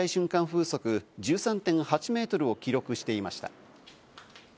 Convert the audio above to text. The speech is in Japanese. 風速１３．８メートルを記録していました。